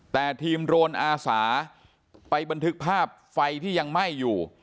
แต่ทีมโรนอาสาไปบันทึกภาพไฟที่ยังไหม้อยู่